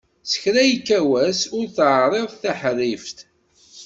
S kra yekka wass ur teɛriḍ taḥerrift.